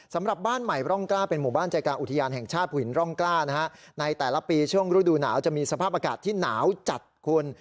สำหรับบ้านใหม่ร่องกล้าเป็นหมู่บ้านใจกลางอุทยานแห่งชาติผืนร่องกล้านะฮะในแต่ละปีช่วงฤดูหนาวจะมีสภาพอากาศที่หนาวจัดคุณ